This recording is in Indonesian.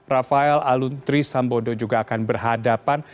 rafael aluntri sambodo juga akan berhadapan